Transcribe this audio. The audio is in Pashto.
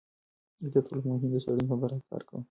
زه د ټولنپوهنې د څیړنې په برخه کې کار کوم.